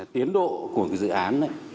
tiến độ của cái dự án này